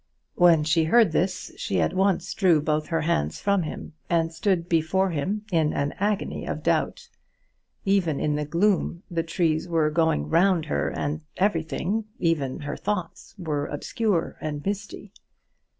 When she heard this, she at once drew both her hands from him, and stood before him in an agony of doubt. Even in the gloom, the trees were going round her, and everything, even her thoughts, were obscure and misty.